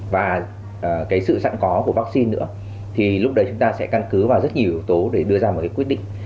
và cái sự sẵn có của vaccine nữa thì lúc đấy chúng ta sẽ căn cứ vào rất nhiều yếu tố để đưa ra một cái quyết định